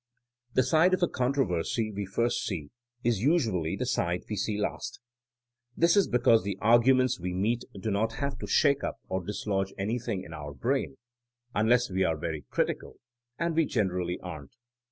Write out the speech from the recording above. The side of a controversy we see first is usually the side we see last This is because the arguments we meet do not have to shake up or dislodge anything in our brain (unless we are very critical, and we generally aren't).